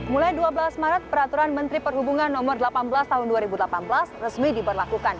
mulai dua belas maret peraturan menteri perhubungan no delapan belas tahun dua ribu delapan belas resmi diberlakukan